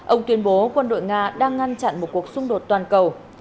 ông tuyên bố quân đội nga đang ngăn chặn một cuộc xung đột toàn cầu